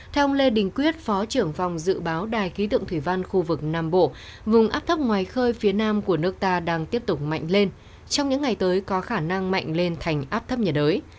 theo ông lê đình quyết phó trưởng phòng dự báo đài khí tượng thủy văn khu vực nam bộ vùng áp thấp ngoài khơi phía nam của nước ta đang tiếp tục mạnh lên trong những ngày tới có khả năng mạnh lên thành áp thấp nhiệt đới